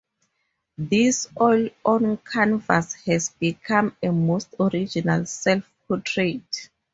This oil on canvas has become a most original self-portrait.